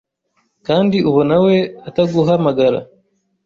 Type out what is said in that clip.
kandi ubona we ataguhamagara